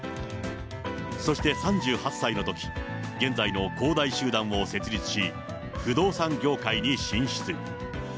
そして３８歳のとき、現在の恒大集団を設立し、不動産業界に進出。